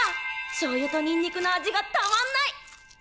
しょうゆとにんにくの味がたまんない！